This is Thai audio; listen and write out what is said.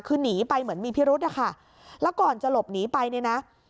คือหนีไปเหมือนมีพิรุธนะคะแล้วก่อนจะหลบหนีไปเนี่ยนะ